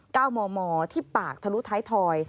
เก้ามอมอที่ปากทะลุท้ายทอย